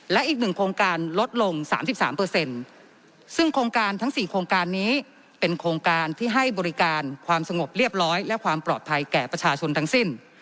และอีกหนึ่งโครงการลดลง๓๓ซึ่งโครงการทั้ง๔โครงการนี้เป็นโครงการที่ให้บริการความสงบเรียบร้อยและความปลอดภัยแก่ประชาชนทั้งสิ้น